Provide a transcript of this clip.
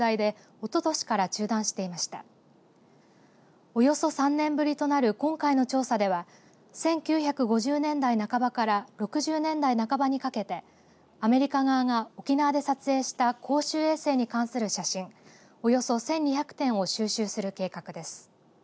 およそ３年ぶりとなる今回の調査では１９５０年代半ばから６０年代半ばにかけてアメリカ側が沖縄で撮影した公衆衛生に関する写真およそ１２００点を収集する計画です。